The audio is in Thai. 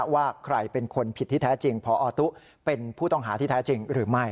ว่าใครเป็นคนผิดที่แท้จริงพอตุ๊เป็นผู้ต้องหาที่แท้จริงหรือไม่